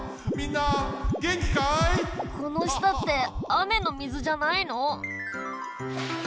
このしたってあめのみずじゃないの？